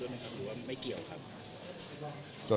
หรือว่าไม่เกี่ยวครับ